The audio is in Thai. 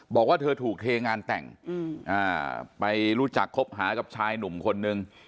บอกว่าเธอถูกเทงานแต่งไปรู้จักคบหากับชายหนุ่มคนนึง